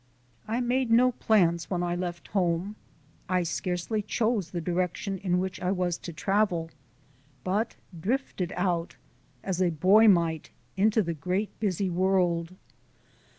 I made no plans when I left home, I scarcely chose the direction in which I was to travel, but drifted out, as a boy might, into the great busy world.